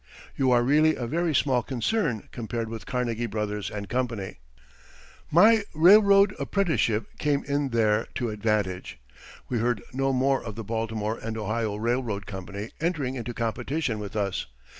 You are really a very small concern compared with Carnegie Brothers and Company." My railroad apprenticeship came in there to advantage. We heard no more of the Baltimore and Ohio Railroad Company entering into competition with us.